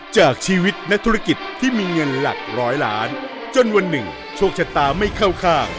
จากชีวิตนักธุรกิจที่มีเงินหลักร้อยล้านจนวันหนึ่งโชคชะตาไม่เข้าข้าง